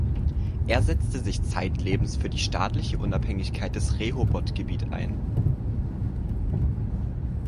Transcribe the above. Er setzte sich zeitlebens für die staatliche Unabhängigkeit des Rehoboth Gebiet ein.